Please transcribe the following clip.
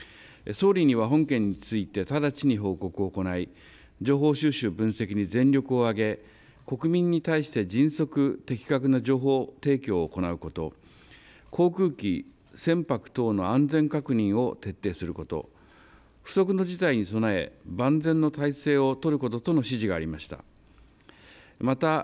総理には本件について直ちに報告を行い情報収集、分析に全力を挙げ国民に対して迅速、的確な情報提供を行うこと、航空機、船舶等の安全確認を徹底すること、不測の事態に備え万全の態勢を取ることとの指示がありました。